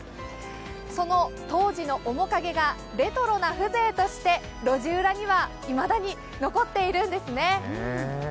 その当時の面影がレトロな風情として路地裏にはいまだに残っているんですね。